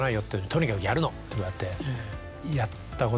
「とにかくやるの」って言われて。